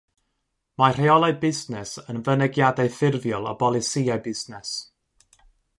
Mae rheolau busnes yn fynegiannau ffurfiol o bolisïau busnes.